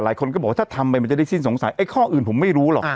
หลายคนก็บอกว่าถ้าทำไปมันจะได้สิ้นสงสัยไอ้ข้ออื่นผมไม่รู้หรอก